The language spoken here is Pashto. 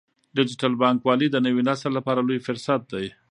ډیجیټل بانکوالي د نوي نسل لپاره لوی فرصت دی۔